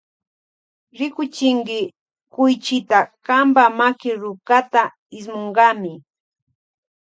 Rikuchinki kuychita kampa maki rukata ismunkami.